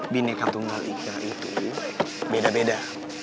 bineka tunggal ika itu beda beda